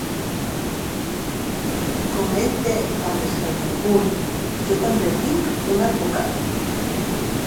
Com ell té a Mr Moguy, jo també tinc un advocat.